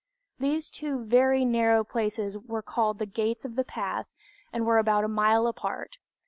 These two very narrow places were called the gates of the pass, and were about a mile apart.